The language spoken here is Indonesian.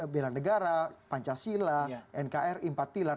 bela negara pancasila nkri empat pilar